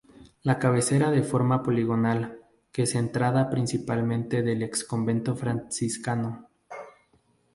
La cabecera de forma poligonal que se entrada principal del ex-convento Franciscano.